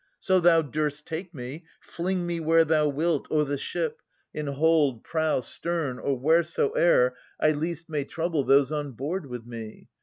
So thou durst take me, fling me where thou wilt O' the ship, in hold, prow, stern, or wheresoe'er I least may trouble those on board with me.